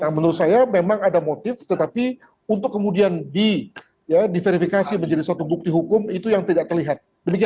menurut saya memang ada motif tetapi untuk kemudian diverifikasi menjadi suatu bukti hukum itu yang tidak terlihat